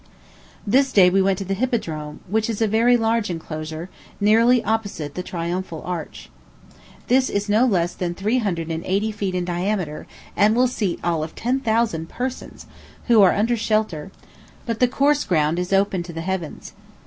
This day we went to the Hippodrome, which is a very large enclosure, nearly opposite the Triumphal Arch. This is no less than three hundred and eighty feet in diameter, and will seat all of ten thousand persons, who are under shelter, but the course ground is open to the heavens.